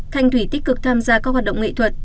thanh thủy tích cực tham gia các hoạt động nghệ thuật